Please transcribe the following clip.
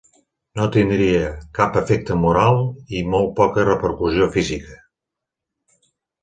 No tindria cap efecte moral i molt poca repercussió física.